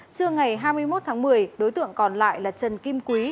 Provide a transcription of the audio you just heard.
trưa ngày hai mươi một tháng một mươi đối tượng còn lại là trần kim quý